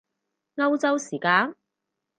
歐洲時間？